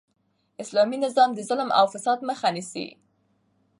اسلامي نظام د ظلم او فساد مخ نیسي.